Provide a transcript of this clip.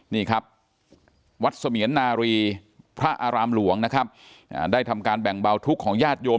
นี่ครับวัดเสมียนนารีพระอารามหลวงนะครับได้ทำการแบ่งเบาทุกข์ของญาติโยม